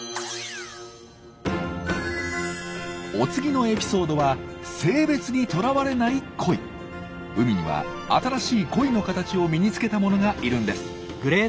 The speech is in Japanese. お次のエピソードは海には新しい恋の形を身につけたものがいるんです。